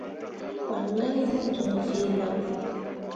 Fan mai mo joŋ feelao.